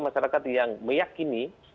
masyarakat yang meyakini